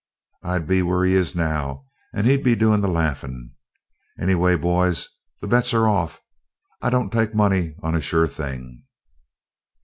I'd be where he is now and he'd be doing the laughing. Anyway, boys, the bets are off. I don't take money on a sure thing."